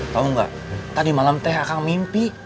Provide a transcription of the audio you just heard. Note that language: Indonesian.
tau gak tadi malam teh akang mimpi